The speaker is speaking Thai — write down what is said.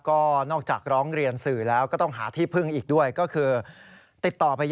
ก็นอกจากร้องเรียนสื่อแล้วก็ต้องหาที่พึ่งอีกด้วยก็คือติดต่อไป